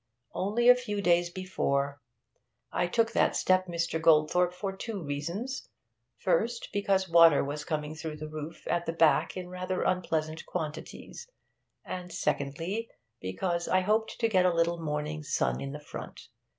Only a few days before. I took that step, Mr. Goldthorpe, for two reasons: first, because water was coming through the roof at the back in rather unpleasant quantities, and secondly, because I hoped to get a little morning sun in the front.